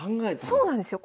そうなんですよ。